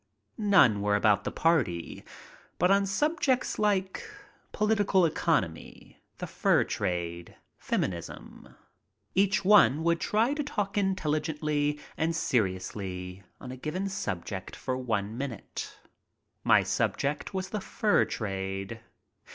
None were about the party, but on subjects like "poHtical economy," "the fur trade," "feminism." Each one would try to talk intelligently and seriously on a given subject for one minute. My subject was the "fur trade."